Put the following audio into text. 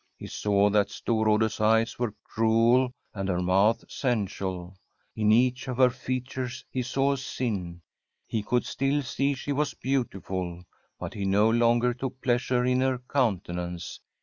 He saw that Storrade's eyes w«e cmel and her mouth sensual. In each of her features he saw a sin. He could still see she was beautiful, but he no longer took pleas ure in her countenance.